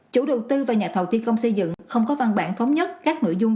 chủ đầu tư và nhà thầu thi công xây dựng không có văn bản thống nhất các nội dung